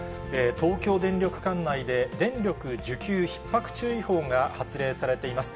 東京電力管内で、電力需給ひっ迫注意報が発令されています。